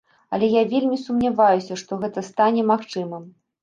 Але я вельмі сумняваюся, што гэта стане магчымым.